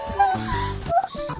あっ！